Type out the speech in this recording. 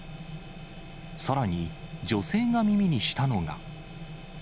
さらに、女性が耳にしたのが。